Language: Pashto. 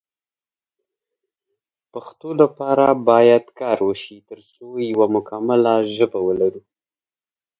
پښتو لپاره باید کار وشی ترڅو یو مکمله ژبه ولرو